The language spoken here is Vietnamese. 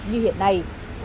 như hiện nay